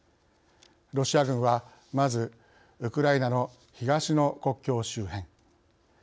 ロシア軍はまず、ウクライナの東の国境周辺。